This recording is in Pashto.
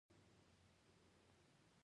ټول دلته راشئ